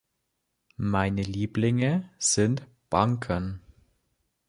Meine Lieblinge sind Banken.